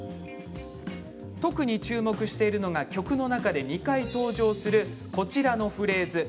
特に注目しているのが曲の中で２回登場するこちらのフレーズ。